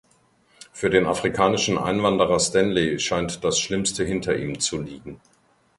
Für den afrikanischen Einwanderer Stanley scheint das Schlimmste hinter ihm zu liegen.